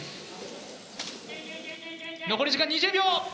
残り時間２０秒。